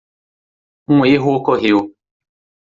Um erro ocorreu.